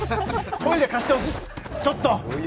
トイレ貸してちょっと！